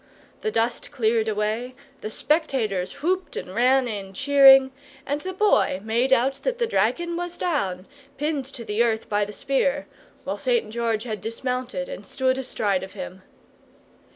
The dust cleared away, the spectators whooped and ran in cheering, and the Boy made out that the dragon was down, pinned to the earth by the spear, while St. George had dismounted, and stood astride of him.